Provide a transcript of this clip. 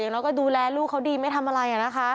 อย่างน้อยก็ดูแลลูกเขาดีไม่ทำอะไรนะคะ